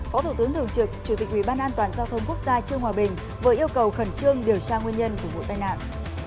phó thủ tướng thường trực chủ tịch ubnd giao thông quốc gia trương hòa bình vừa yêu cầu khẩn trương điều tra nguyên nhân của vụ tai nạn